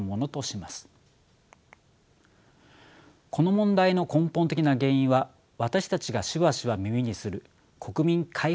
この問題の根本的な原因は私たちがしばしば耳にする国民皆保険にあります。